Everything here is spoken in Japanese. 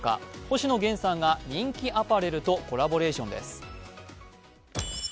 星野源さんが人気アパレルとコラボレーションです。